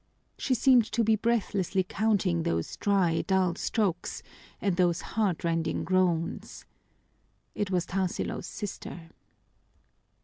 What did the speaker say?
She seemed to be breathlessly counting those dry, dull strokes and those heartrending groans. It was Tarsilo's sister.